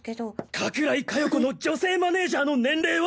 加倉井加代子の女性マネージャーの年齢は！？